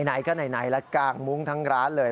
ไหนก็ไหนแล้วกางมุ้งทั้งร้านเลย